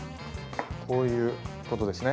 こういうことですね？